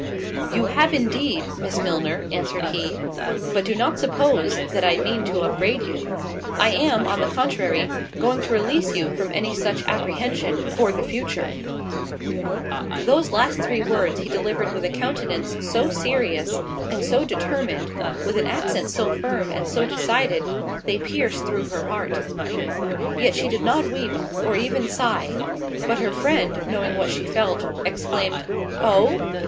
"You have indeed, Miss Milner," answered he; "but do not suppose, that I mean to upbraid you: I am, on the contrary, going to release you from any such apprehension for the future." Those last three words he delivered with a countenance so serious and so determined, with an accent so firm and so decided, they pierced through her heart. Yet she did not weep, or even sigh; but her friend, knowing what she felt, exclaimed, "Oh?"